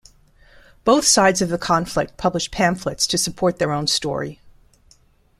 Both sides of the conflict published pamphlets to support their own story.